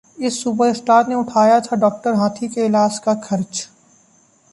इस सुपरस्टार ने उठाया था डॉ. हाथी के इलाज का खर्च